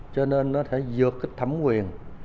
cho nên nó thể dược kích thẩm quyền